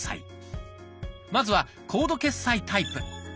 まずは「コード決済」タイプ。